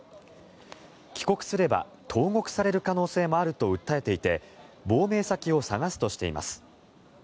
帰国すれば投獄される可能性もあると訴えていて亡命先を探すとしています。